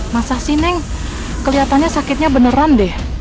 masa sih neng keliatannya sakitnya beneran deh